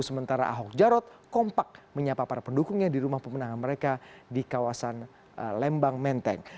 sementara ahok jarot kompak menyapa para pendukungnya di rumah pemenangan mereka di kawasan lembang menteng